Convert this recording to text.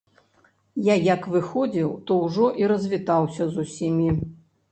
Я як выходзіў, то ўжо і развітаўся з усімі.